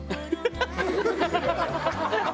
「ハハハハ！」